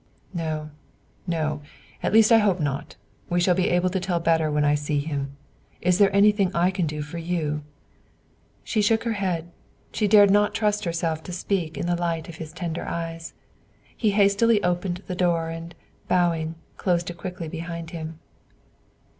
"No, no! at least, I hope not. I shall be able to tell better when I see him. Is there anything I can do for you?" She shook her head; she dared not trust herself to speak in the light of his tender eyes. He hastily opened the door, and bowing, closed it quickly behind him.